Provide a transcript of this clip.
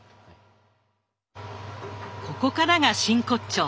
ここからが真骨頂。